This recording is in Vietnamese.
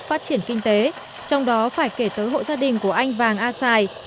phát triển kinh tế trong đó phải kể tới hộ gia đình của anh vàng a sài